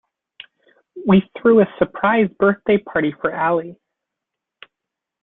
We threw a surprise birthday party for Ali.